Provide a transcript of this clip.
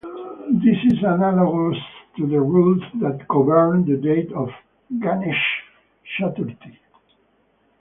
This is analogous to the rules that govern the date of Ganesh Chaturthi.